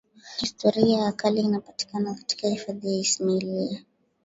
historia ya kale inapatikana katika hifadhi ya isimila